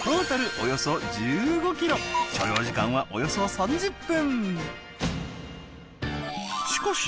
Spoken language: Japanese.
およそ１５ｋｍ所要時間はおよそ３０分